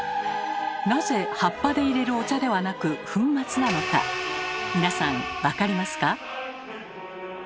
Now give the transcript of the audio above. なぜ葉っぱでいれるお茶ではなく粉末なのか皆さん分かりますか？